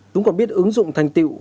chúng còn biết ứng dụng thanh tiệu